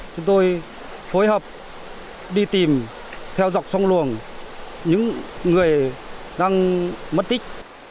chúng tôi phối hợp đi tìm theo dọc sông luồng những người đang mất tích